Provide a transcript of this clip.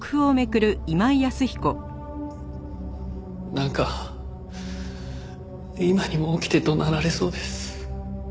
なんか今にも起きて怒鳴られそうです。